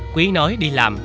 quý nói đi làm